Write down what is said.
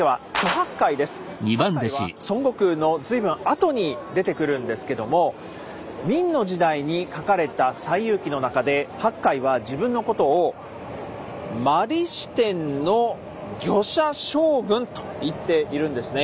八戒は孫悟空の随分後に出てくるんですけども明の時代に書かれた「西遊記」の中で八戒は自分のことを「摩利支天の御車将軍」と言っているんですね。